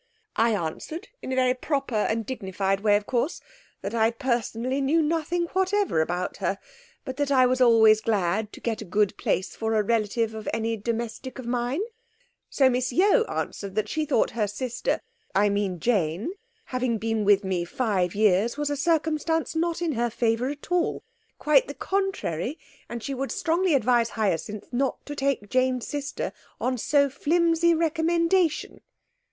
'I answered, in a very proper and dignified way, of course, that I personally knew nothing whatever about her, but that I was always glad to get a good place for a relative of any domestic of mine; so Miss Yeo answered that she thought her sister I mean Jane having been with me five years was a circumstance not in her favour at all, quite the contrary, and she would strongly advise Hyacinth not to take Jane's sister on so flimsy recommendation.